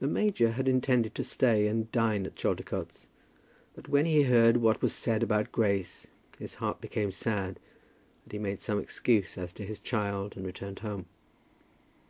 The major had intended to stay and dine at Chaldicotes, but when he heard what was said about Grace, his heart became sad, and he made some excuse as to his child, and returned home.